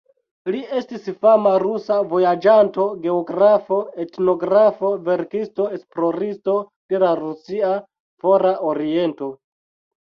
Li estis fama rusa vojaĝanto, geografo, etnografo, verkisto, esploristo de la rusia Fora Oriento.